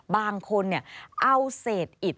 บางคนเอาเศษอิด